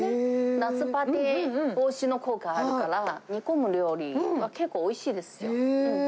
夏バテ防止の効果あるから、煮込む料理は、結構おいしいんですよ。